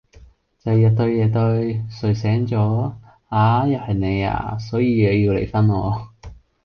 就係日對夜對，睡醒咗：啊?又係你啊?所以要離婚囉。